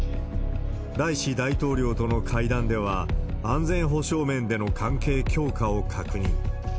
ライシ大統領との会談では、安全保障面での関係強化を確認。